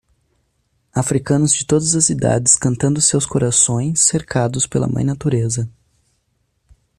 Africanos de todas as idades cantando seus corações cercados pela mãe natureza.